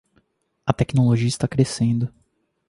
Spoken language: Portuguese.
A tecnologia está crescendo